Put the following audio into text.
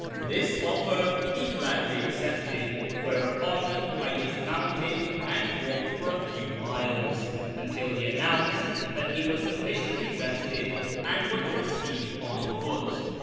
This offer he gladly accepted, whereupon I dismounted and walked for a few miles, until he announced that he was sufficiently rested and would proceed on foot.